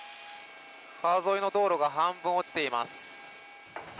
川沿いの道路が半分落ちています。